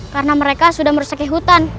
karena mereka sudah merusakin hutan